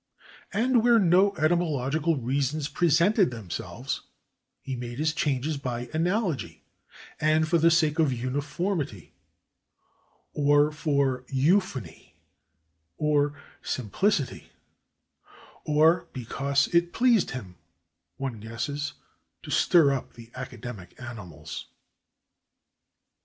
And where no etymological reasons presented themselves, he made his changes by analogy and for the sake of uniformity, or for euphony or simplicity, or because it pleased him, one guesses, to stir up the academic animals.